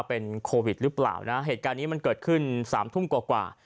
เป็นโควิดหรือเปล่านะเหตุการณ์นี้มันเกิดขึ้นสามทุ่มกว่า